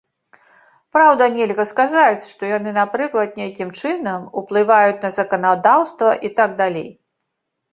Праўда, нельга сказаць, што яны напрыклад, нейкім чынам уплываюць на заканадаўства і так далей.